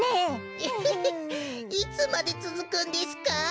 エヘヘいつまでつづくんですか。